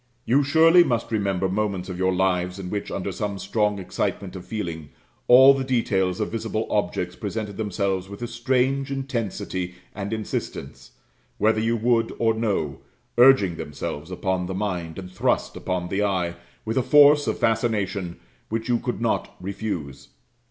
You surely must remember moments of your lives in which, under some strong excitement of feeling, all the details of visible objects presented themselves with a strange intensity and insistance, whether you would or no; urging themselves upon the mind, and thrust upon the eye, with a force of fascination which you could not refuse.